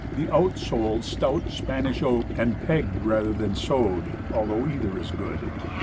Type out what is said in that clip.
The out sole stout, Spanish oak, and pegged rather than sewed, although either is good.